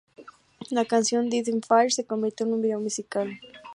La canción "Death in Fire" se convirtió en un video musical.